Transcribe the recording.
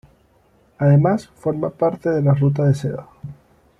Además, forma parte de la Ruta de Seda.